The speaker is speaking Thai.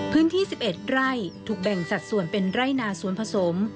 พื้นที่๑๑ไร่ถูกแบ่งสัตว์ส่วนเป็นไร่นาสวนผสม